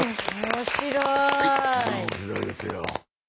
面白いですよ。